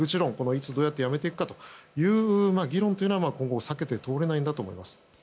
いつどうやってやめていくかという議論は今後、避けて通れないんだと思います。